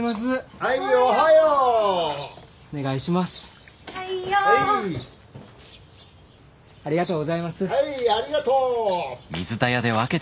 はいありがとう。